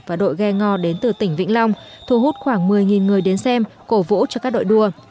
và đội ghe ngò đến từ tỉnh vĩnh long thu hút khoảng một mươi người đến xem cổ vũ cho các đội đua